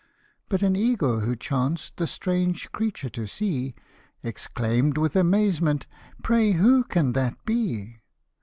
But an eagle who chanced the strange creature to see, Exclaim'd with amazement, " Pray who can that be?"